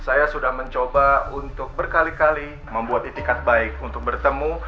saya sudah mencoba untuk berkali kali membuat itikat baik untuk bertemu